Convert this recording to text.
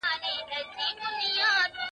مجازات څنګه ټاکل کیږي؟